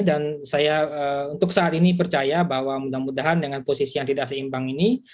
dan saya untuk saat ini percaya bahwa mudah mudahan dengan posisi yang tidak seimbang ini